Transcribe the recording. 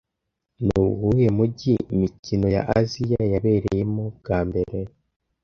Ni uwuhe mujyi imikino ya Aziya yabereyemo bwa mbere